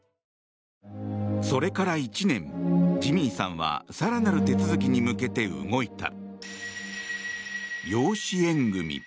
それから１年、ジミーさんは更なる手続きに向けて動いた。